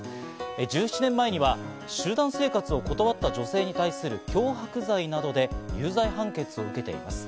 １７年前には集団生活を断った女性に対する脅迫罪などで有罪判決を受けています。